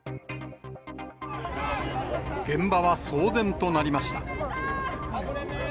現場は騒然となりました。